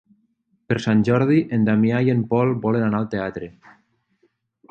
Per Sant Jordi en Damià i en Pol volen anar al teatre.